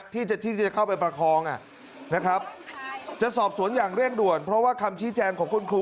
ที่จะเข้าไปประคองนะครับจะสอบสวนอย่างเร่งด่วนเพราะว่าคำชี้แจงของคุณครู